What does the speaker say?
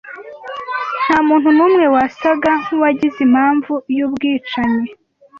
Ntamuntu numwe wasaga nkuwagize impamvu yubwicanyi.